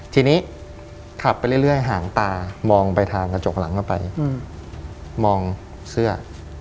ทีนี้ขับไปเรื่อยหางตามองไปทางกระจกหลังเข้าไปมองเสื้อ